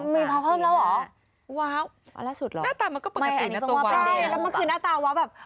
ว้าวหน้าตามันก็ปกตินะตัวว้าวตัวเหมือนกันใช่แล้วมันคือหน้าตาว้าวแบบ